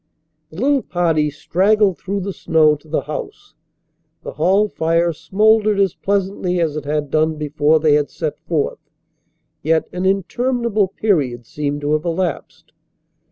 The little party straggled through the snow to the house. The hall fire smouldered as pleasantly as it had done before they had set forth, yet an interminable period seemed to have elapsed.